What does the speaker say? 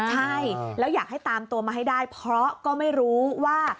ใช่แล้วอยากให้ตามตัวมาให้ได้เพราะก็ไม่รู้ว่า